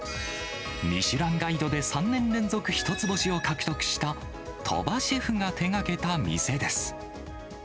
ミシュランガイドで３年連続１つ星を獲得した鳥羽シェフが手がけた店です。